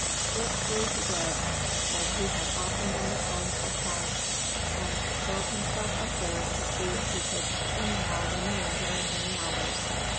Slip through he did, as he had often done at home for fun, and curled himself up there to see if he could anyhow remain during many hours.